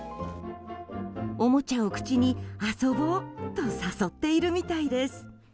おもちゃを口に遊ぼうと誘っているみたいです。